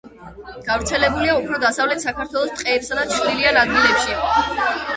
გავრცელებულია უფრო დასავლეთ საქართველოს ტყეებსა და ჩრდილიან ადგილებში.